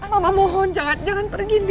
mama mohon jangan jangan pergi di